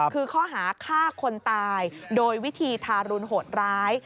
คือข้อหาฆ่าคนตายโดยวิธีทารุณโหดร้าย